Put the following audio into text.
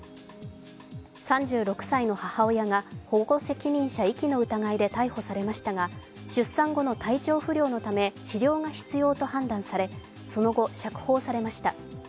３６歳の母親が保護責任者遺棄の疑いで逮捕されましたが出産後の体調不良のため治療が必要と判断されその後、釈放されました。